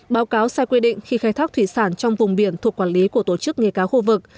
báo cáo sai quy định khi khai thác thủy sản trong vùng biển thuộc quản lý của tổ chức nghề cá khu vực